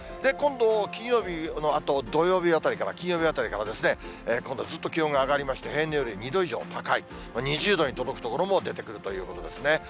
今度金曜日のあと、土曜日あたりから、金曜日あたりからですね、今度ずっと気温が上がりまして、平年より２度以上高い、２０度に届く所も出てくるということですね。